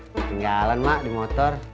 ketinggalan mbak di motor